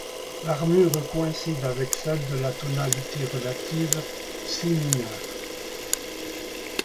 L'armure coïncide avec celle de la tonalité relative si mineur.